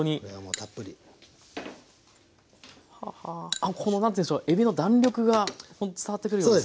あっこの何ていうんでしょうえびの弾力が伝わってくるようですよね。